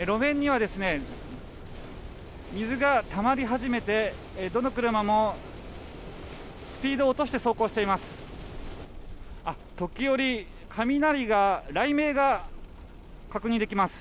路面には水がたまり始めてどの車もスピードを落として走行しています。